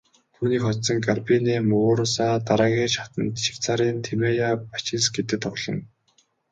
Түүнийг хожсон Гарбинэ Мугуруса дараагийн шатанд Швейцарын Тимея Бачинскитэй тоглоно.